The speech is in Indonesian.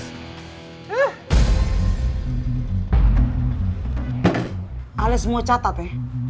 eh ales mau catat ya